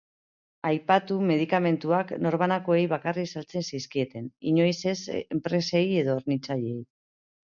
Aipatu medikamentuak norbanakoei bakarrik saltzen zizkieten, inoiz ez enpresei edo hornitzaileei.